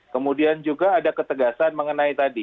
kemudian juga ada ketegasan mengenai tadi